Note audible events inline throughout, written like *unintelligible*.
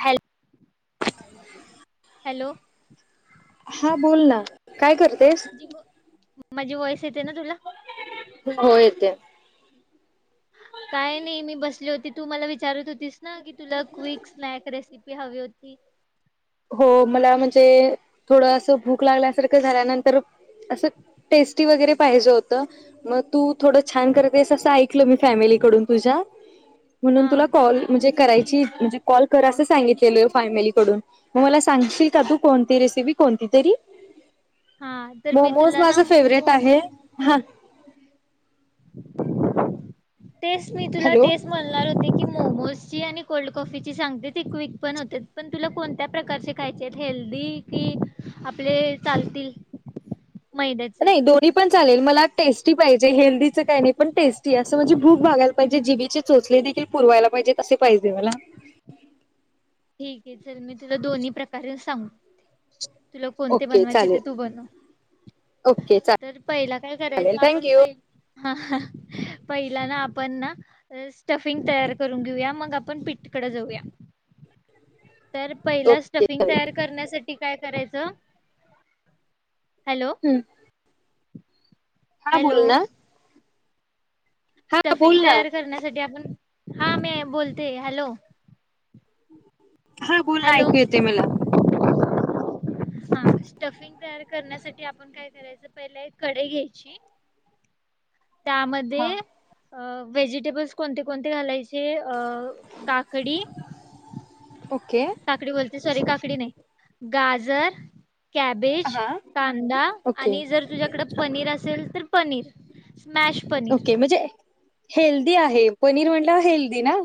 Hello hello हा बोल ना! काय करतेस? माझी माझी वॉइस येते ना तुला? हो येतेय! काय नाही मी बसले होते! तू मला विचारत होती! तेचना की तुला क्वीिक स्नॅक रेसिपी हवी होती! हो मला म्हणजे थोडं अस भूक लागल्यासारखं झाल्यानंतर असं टेस्टी वगैरे पाहिजे होत! मग तू थोडं छान करतेस! असं ऐकलं मी फॅमिलीकडून तुझ्या! हा म्हणून तुला कॉल म्हणजे करायची म्हणजे कॉल कर! असं सांगितलेल फॅमिलीकडून मग मला सांगशील का तू कोणती रेसिपी? कोणती तरी? हा तर मी मोमोज तुला माझ ना फेवरेट मोमो आहे हा! तेच मी तुला हॅलो तेच म्हणणार होती की मोमोज आणि कोल्ड कॉफी ची सांगते! ती क्विंक पण होते! पण तुला कोणत्या प्रकारचे खायचे? हेल्दी कि आपले चालतील मैद्याचे नाही दोन्ही पण चालेल मला टेस्टी पाहिजे! हेल्दीचं काही नाही! पण टेस्टी असं! म्हणजे भूक भागायला पाहिजे जिभेची चोचले देखील पुरवायला पाहिजे! कसे पाहिजे मला? खिडकीत तर मी तुला दोन्ही प्रकारे सांग तुला कोणते ओके बनवायचे! ते चालेल तू बनव! ओके तर पहिला काय चालेल करायचं? आपण थँक्यू पहि पहिला ना! आपण ना स्टफिंग तयार करून घेऊया, मग आपण पीठकडे जाऊया. तर पहिला ओके स्टफिंग चालेल तयार करण्यासाठी काय करायचं? हॅलो. हां हॅलो बोल ना. हा स्टफिंग बोल ना तयार करण्यासाठी आपण हा मी बोलते! हॅलो. हा बोल ना! हॅलो ऐकू येतय मला! हा, स्टफिंग तयार करण्यासाठी आपण काय करायचं? पहिले एक कढई घ्यायची. हा त्यामध्ये अ, व्हेजिटेबल्स कोणते कोणते घालायचे? अ, काकडी ओके काकडी बोलते! सॉरी, काकडी नाही! गाजर कॅबेज, हा कांदा ओके आणि जर तुझ्याकडं पनीर असेल तर पनीर. स्मॅश पनीर. ओके म्हणजे हेल्दी आहे. पनीर म्हणलं हेल्दी ना?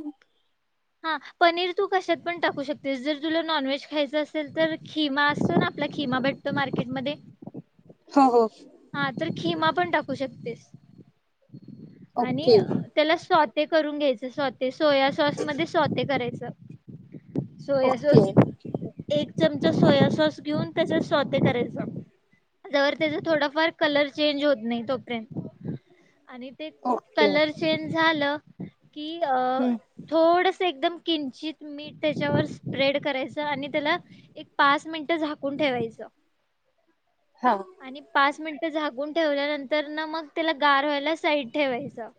हा पनीर तू कशात पण टाकू शकतेस जर तुला नॉनव्हेज खायचं असेल तर खिमा असतो ना आपला खिमा भेटतो मार्केटमध्ये. हो हो. हा तर खिमा पण टाकू शकतेस. आणि ओके त्याला स्व ते करून घ्यायचं स्वते, सोया सॉस मध्ये स्वते करायचं. सोय ओके सॉस एक चमचा सोया सॉस घेऊन त्याच्या स्वते करायच त्यावर त्याचा थोड फार कलर चेंज होत नाही, तोपर्यंत. आणि ते ओके कलर चेंज झालं. कि हं, थोड एकदम किंचित मीठ त्याच्यावर स्प्रेड करायचं आणि त्याला एक पाच मिनट झाकून ठेवायचं. हा. आणि पाच मिनिट झाकून ठेवल्यानंतर ना मग त्याला गार व्हायला साईड ठेवायचं.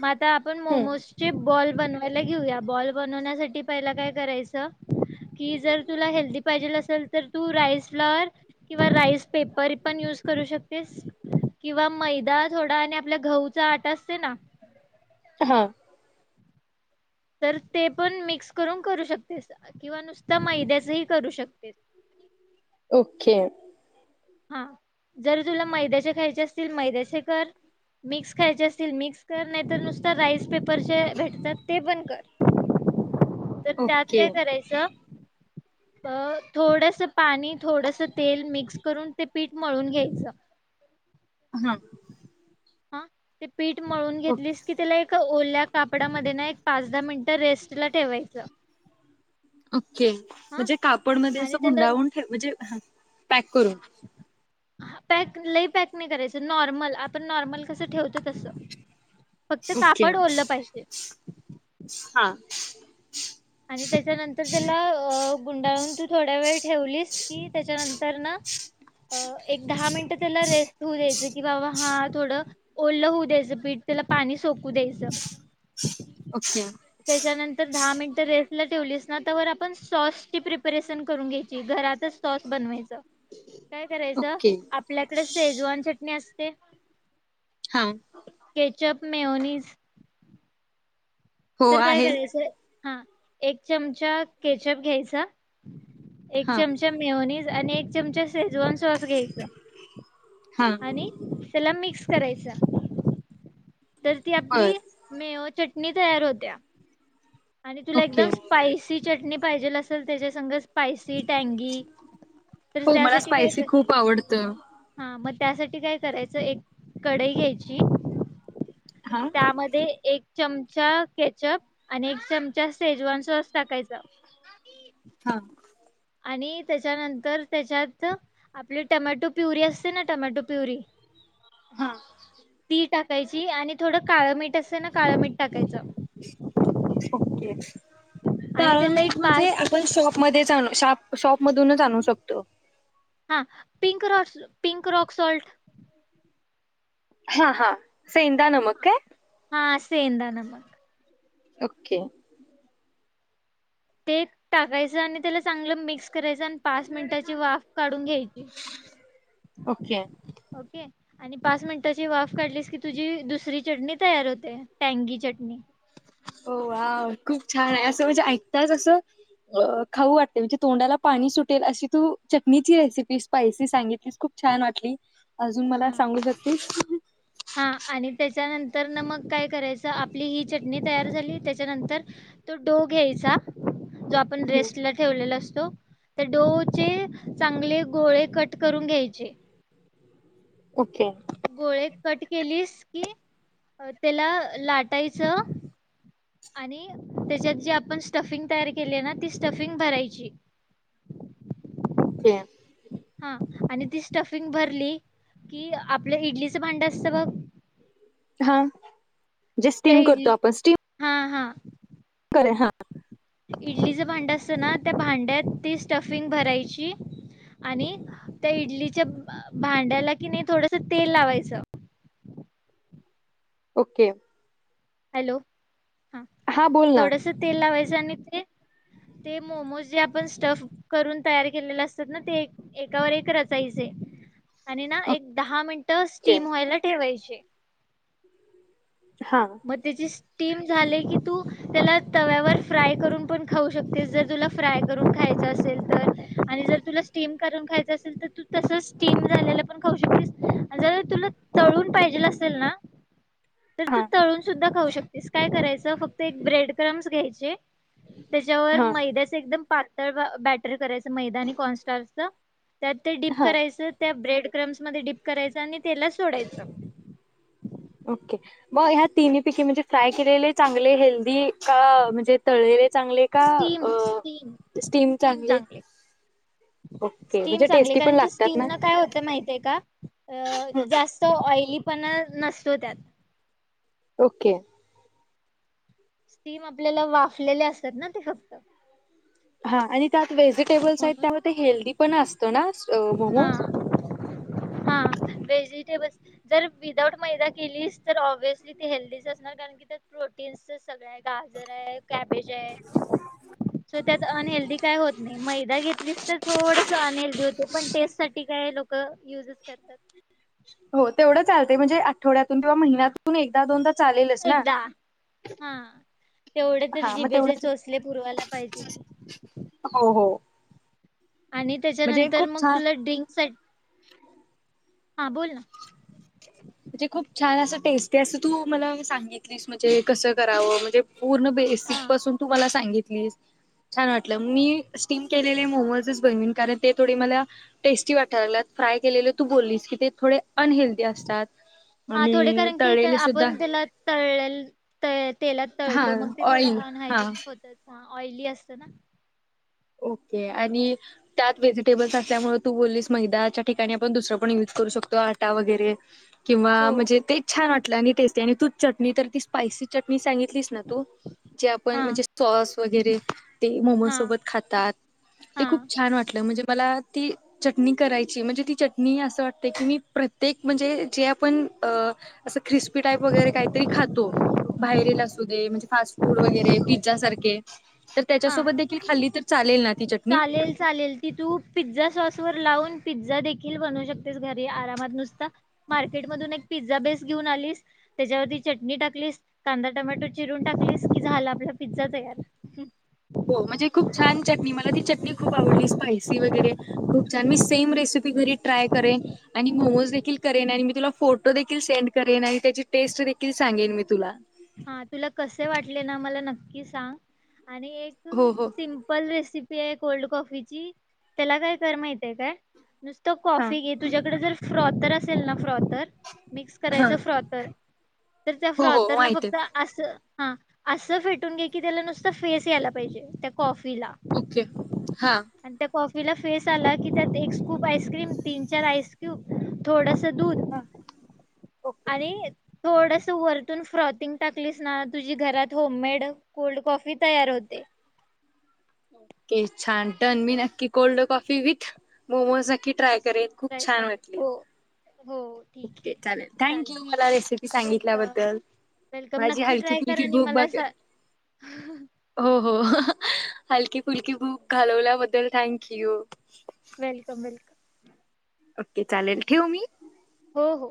म आता आपण हं, मोमो ब बनवायला घेऊया, बॉल बनवण्यासाठी पहिला, काय करायच, की जर तुला हेल्दी पाहिजे असेल तर तू रास फ्ल किंवा राईस पेपर पण युज करू शकतेस किंवा मैदा थोडा आणि आपल्या गहूचा आटा असते ना. हा तर ते पण मिक्स करून करू शकतेस किंवा नुसत मैद्याचही करू शकतेस. ओके. हा जरी तुला मैद्याचे खायचे असतील मैद्याचे कर मिक्स, खायचे असतील मिक्स कर, नाहीतर नुसत राइस पेपरचे भेटतात ते पण कर,. तर त्यात ओके काय करायचं. अ थोडस पाणी थोडस तेल मिक्स करून ते पीठ मळून घ्यायचं.. हा हा ते पीठ मळून ओके घेतलीस की त्याला एका ओल्या कापडामध्ये ना एक पाच दहा मिनिट रेस्ट ला ठेवायचं. ओके हा म्हणजे कापड मध्ये आणि असं त्याला गुंडाळून ठे म्हणजे पॅक करू. पॅक लई पॅक नाही करायचं नॉर्मल आपण नॉर्मल कसं ठेवतो तस. फक्त ओके कापड ओल्हं पाहिजे. हा आणि त्याच्यानंतर त्याला अ गुंडाळून तू थोड्या वेळ ठेवलीस कि त्याच्यानंतर, न अ एक दहा मिनिट त्याला रेस्ट होऊ द्यायचं, कि बाबा हा थोडं ओढलं होऊ द्यायचं पीठ त्याला पाणी सोकू द्यायचं. ओके. त्याच्यानंतर दहा मिनिटं रेस्ट ठेवलीस ना, तवर आपण सॉस ची प्रिपरेशन करून घ्यायची, घरातच सॉस बनवायच. काय करायचं ओके आपल्याकडे सेजवान चटणी अस ते. हा केचप मेओनिज. हो तर काय आहे करायचं, हा एक चमचा केचप घ्यायचा. एक हा चमचा मिओनीज आणि एक चमचा शेजवान सॉस घ्यायचा. हा आणि त्याला मिक्स करायचं. तर ती बर आपली, मेओ चटणी तयार होतीया. आणि तुला ओके एकदम स्पायसी चटणी पाहिजेल असेल. तर त्याच्या सं स्पायसी, टँगी तर हो मला त्यासाठी काय स्पायसी कर खूप आवडतं हा, म त्यासाठी काय करायचं एक कढाई घ्यायची. हा त्यामध्ये एक, चमचा केचअप आणि एक चमचा सेजवान सॉस टाकायचा. हा. आणि त्याच्यानंतर त्याच्यात आपली टमॅटो प्युरी असते, ना टमॅटो प्युरी हा ती टाकायची. आणि थोडं काळं मीठ असतय. ना काळं मीठ टाकायचं. ओके. आणि काळ त्याला मीठ एक म्हणजे पाच आपण शॉप मध्ये श शॉप मधूनच आणू शकतो. हा pink raw pink rock salt हा हा सेदा नमक काय? हा सेदा नमक, ओके. ते टाकायचं. आणि त्याला चांगलं मिक्स करायचं. आणि पाच मिनिटाची वाफ काढुन घ्यायची. ओके ओके आणि पाच मिनिटाची वाफ काढलीस की, तुझी दुसरी चटणी तयार होते. टँगी चटणी ओ वाव! खूप छान आहे. असं म्हणजे ऐकताच असं अ खाऊ वाटते, म्हणजे तोंडाला पाणी सुटेल अशी तू चटणीची रेसिपी स्पायसी सांगितलीस खूप छान वाटली. अजून मला हा सांगू शकतीस. हा आणि त्याच्यानंतर ना मग काय करायचं आपली ही चटणी तयार झाली त्याच्यानंतर तो डो घ्यायचा. जो आपण रेस्ट ला ठेवलेला असतो. तर डोचे चांगले गोळे कट करून घ्यायचे. ओके. गोळे कट केलीस की त्याला लाटायचं आणि त्याच्यात जी आपण स्टफिंग तयार केली ना ती स्टफिंग भरायची. *unintelligible* हा आणि ती स्टफिंग भरली की आपलं इडलीचं भांड असतं बघ. हा. जे त्या स्टीम, करतो इडली आपण स्टीम. हा हा करे हा इडलीचं- भांडं असतं ना त्या भांड्यात ती स्टफिंग भरायची आणि त्या इडलीच्या- भांड्याला कि नाही थोडस तेल लावायच. ओके. हॅलो. हा बोल ना थोडस तेल लावायचं. जाने ते मोमोजे आपण स्टफ करून तयार केले असतात ते एकावर रचायचे आणि एक दहा मिन. टस ओके स्टीम व्हायला ठेवायची. हा मग त्याची टीम- झाले की तू त्याला तव्यावर फ्राय करून पण खाऊ शकतेस जर- तुला फ्राय करून खायचं असेल तर आणि जर- तुला स्टीम करून खायचा असेल तर तू तसाच टीम झालेला पण खाऊ शकतो ना ट. तर तू. हा तळून सुद्धा खाऊ शकतेस काय करायचं फक्त एक ब्रेड क्रम्स घ्यायचे. त्याच्यावर हा मैद्याच एकदम पातळ व बॅटर करायच. मैदानी कॉन्स्टचं त्यात ते डीिप हा करायचं त्या ब्रेड विक्रममध्ये डीप करायचा आणि तेलात सोडायचं ओके ब ह्या तिन्ही पिके म्हणजे फ्राय केलेले चांगले हेल्दी का म्हणजे तळलेले चांगले का स्टीम अ स्टीम स्टील चांगले ओके म्हणजे चांगली टेस्टी पण कारण की लागतात स्टीम ना न काय होत माहिती आहे का जास्त ऑली पण नसतो त्यात ओके स्टीम आपल्याला वाफलेले असत ना ते फक्त हा आणि त्यात व्हेजिटेबल्स आहेत म्हणून त्यामध्ये हेल्दीी पण असतो हा नामोज हा व्हेजिटेबल्स जर विदाऊट मैदा केलीस तर ऑब््हसली ती हेल्दीच असणार कारण की त्यात प्रोटीन्स सगळं गाजर कबेज त्यात ऑन हेल्दी काय मैदा घेतलीस तर थोडस अनलदी होते पण टेस्ट साठी काय लोक युजच करतात तेवढं चालंय म्हणजे आठवड्यातून किंवा हा महिन्यातून एकदा दोनदा चालेलच ना एकदा हा तेवढे तर हा मग जिभेचे तेवढं चोचले पुरवायला पाहिजे की हो हो आणि म्हणजे त्याच्यानंतर खूप मग छान तुला ड्रिंक स - - हा बोल ना. म्हणजे खूप छान असं टेस्टी असं तू मला सांगितलीस म्हणजे कसं करावं म्हणजे - - पूर्ण बेसिक हा पासून तुम्हाला सांगितलं. छान वाटलं. मी स्टीम केलेले मोमोजच बनवीन. कारण ते थोडे मला टेस्टी वाटल्यात. फ्राय के तू बोललीस के ते - - थोडे अनहेल्दी असतात. हा थोडे आणि कारण की तळलेले सुद्धा आपण त्याला तळ - - ह त तेलात हा तळतो मग ते थोडं ऑइल हा अनहायजेनिक होतच. हा ऑइली असत ना. ओके आणि त्यात व्हेजिटेबल्स असल्यामुळे तू बोललीस मैदाच्या ठिकाणी आपण दुसरं पण युज करू शकतो. आटा वगैरे. किंवा हो म्हणजे ते छान वाट - - टेस्ट आणि तू चटणी तर ती स्पायसी चटणी सांगित- - सांगितलीस ना तू जे आपण हा म्हणजे सॉस - - वगैरे. ते मोमोज हा सोबत - - खातात ते हा खूप छान वाटलं. म्हणजे - - मला ती चटणी करायची. म्हणजे ती चटणी असं वाटते की मी प्रत्येक म्हणजे जे आपण अ - - असं क्रिस्पी टाईप वगैरे काहीतरी खातो. बाहेरला असू दे म्हणजे फास्ट फूड वगैरे पिझ्झ सारखे - - तर हा त्याच्यासोबत देखील खाली चालेल, चालेल, ती तू पिझ्झा सॉस वर ला पाऊन पिझ्झा देखील बनवू शकतेस घरी आरामात. नुसता मार्केट मधून एक पिझ्झा बेस घेऊन आलीस. त्याच्यावरती चटणी टाकलीस कांदा, टमॅटो, चिरून टाकलीस कि झाला आपला पिझ्झा, तयार. म्हणजे खूप छान चट मी मला ती चटणी खूप आवडली. स्पायसी वगैरे खूप छान मी सेम रेसिपी घरी ट्राय करेन. आणि मोमोज देखील करेन. आणि मी तुला फोटो देखील सेंड करेन, आणि त्याची टेस्ट देखील सांगेन, मी तुला. हा तुला कसे वाटले ना मला नक्की सांग. आणि एक हो हो सिमपल रेसि कोल्ड कॉफीची, त्याला काय कर माहितय काय नुसतं हां कॉफी घे तुझ्याकडे जर फ्रॉ तर असेल ना फ्रॉथर, मिक्स हां करायच फ्रॉथर, तर त्या हो हो फ्रॉथर न माहित आहे फक हा अस फेटून घे की त्याला नुसत फेस यायला पाहिजे त्या कॉ फी ला ओके हां. आण त्या कॉफी तिला फेस आला की त्यात एक स्कूप आईसक्रीम, तीन चार आईसक्यूब, थोड दूध, हां ओके. आणि थोडस वरतून फ्रॉतींग टाकलीस ना तुझी घरात होम मेड, कोल्ड कॉफी, तयार होते. ओके छान टन मी नक्की कोल्ड कॉफी, विथ मोमोज, नक्क की ट्राय मस्त करे खूप ट्राय छान करेल. वाटली. हो हो ठीक ओके आहे चालेल थँक यू चालेल मला रेसिपी वेलकम सांगितल्याबद्दल वेलकम माझी नक्की हलकी, ट्राय कर फुलकी, आणि भूक बघ मला सा हो हो. हलकी, फुलकी, भुक घालवल्याबद्दल thank you. Welcome welcome okay चालेल ठेऊ मी. हो हो!